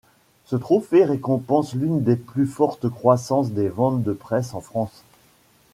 Ce trophée récompense l’une des plus fortes croissances des ventes de presse en France.